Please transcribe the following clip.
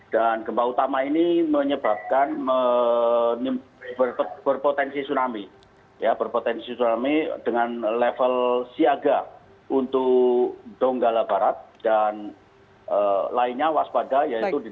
dan gempa utama ini menyebabkan berpotensi tsunami berpotensi tsunami dengan level siaga untuk donggala barat dan lainnya waspada yaitu di donggala